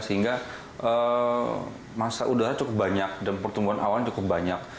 sehingga masa udara cukup banyak dan pertumbuhan awan cukup banyak